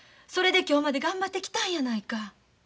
それで今日まで頑張ってきたんやないか。